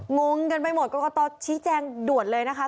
งงกันไปหมดกรกตชี้แจงด่วนเลยนะคะ